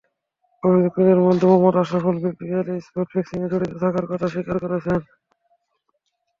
অভিযুক্তদের মধ্যে Mohammad Ashraful BPL spot ফিক্সিংয়ে জড়িত থাকার কথা স্বীকার করেছেন।